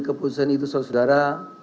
keputusan itu saudara saudara